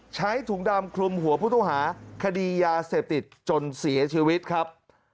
ใช้ถุงดำคลุมหัวผู้ต้องหาคดียาเสพติดจนเสียชีวิตครับ